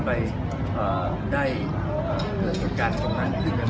ไม่ได้แค่สินใจเลยครับ